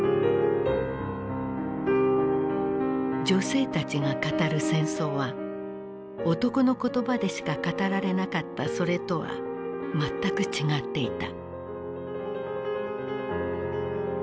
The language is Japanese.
女性たちが語る戦争は男の言葉でしか語られなかったそれとは全く違っていた。